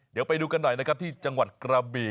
เดี๋ยวไปดูกันหน่อยนะครับที่จังหวัดกระบี่